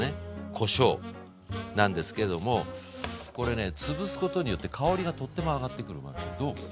こしょうなんですけどもこれねつぶすことによって香りがとっても上がってくる真海ちゃんどう思う？